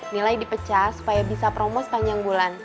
nilai dipecah supaya bisa promo sepanjang bulan